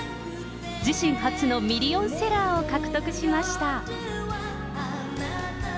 自身初のミリオンセラーを獲得しました。